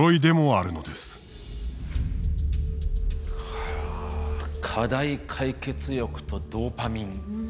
はあ課題解決欲とドーパミン。